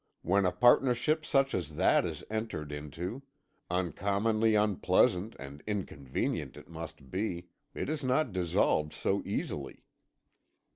When a partnership such as that is entered into uncommonly unpleasant and inconvenient it must be it is not dissolved so easily.